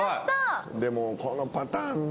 でもこのパターンな。